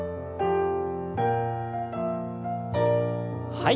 はい。